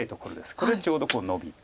これちょうどノビて。